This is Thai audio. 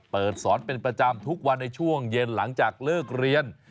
เปิดสอนเป็นประจำทุกวันในช่วงเย็นหลังจากเลิกเรียน